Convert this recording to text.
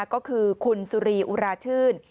ก็คือคุณสุรีอุราชื่น